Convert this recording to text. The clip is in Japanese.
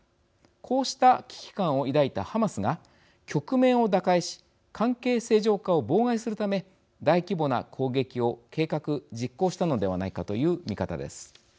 こうした危機感を抱いたハマスが局面を打開し関係正常化を妨害するため大規模な攻撃を計画・実行したのではないかという見方です。